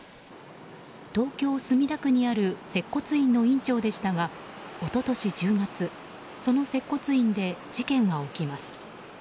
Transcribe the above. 東京・墨田区にある接骨院の院長でしたが一昨年１０月、その接骨院で事件は起きます。